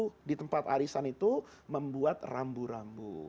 maka perlu di tempat arisan itu membuat rambu rambu